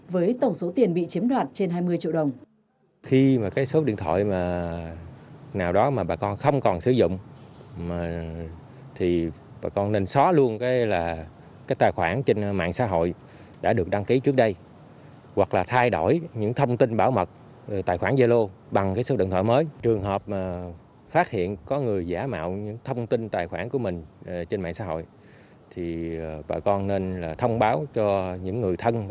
với tổng số tiền bị chiếm đoạn trên hai mươi triệu đồng